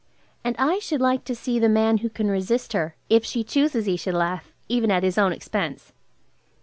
And I should like to see the man who can resist her, if she chooses he should laugh, even at his own expense.